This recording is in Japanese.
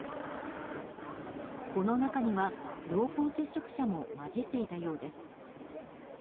この中には、濃厚接触者も交じっていたようです。